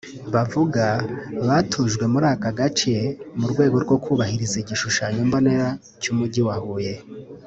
Bavuga batujwe muri aka gace mu rwego rwo kubahiriza igishushanyo mbonera cy’umugi wa Huye